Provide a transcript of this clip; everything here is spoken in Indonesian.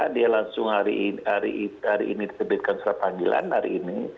dia langsung hari ini diterbitkan surat panggilan hari ini